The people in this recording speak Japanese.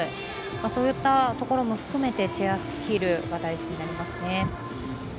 そういったところも含めてチェアスキルが大事になります。